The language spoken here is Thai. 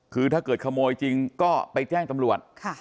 คือถ้าเกิดขโมยจริงก็ไปแจ้งตำรวจ